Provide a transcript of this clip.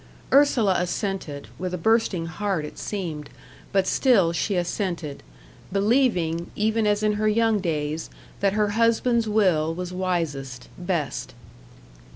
Ursula assented with a bursting heart it seemed but still she assented, believing, even as in her young days, that her husband's will was wisest, best.